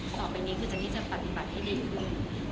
ต่อไปด้วยเราก็จะมีปฏิรัชไมร์ได้ขึ้น